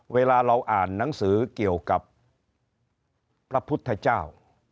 เวลาเราอ่านหนังสือเกี่ยวกับพระพุทธเจ้า